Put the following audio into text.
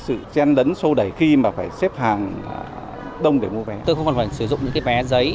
sự chen lấn sâu đầy khi mà phải xếp hàng đông để mua vé tôi không còn phải sử dụng những cái vé giấy